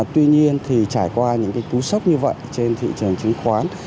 tuy nhiên thì trải qua những cú sốc như vậy trên thị trường chứng khoán